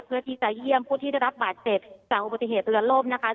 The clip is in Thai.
เพื่อที่จะเยี่ยมผู้ที่ได้รับบาดเจ็บจากอุบัติเหตุเรือล่มนะคะ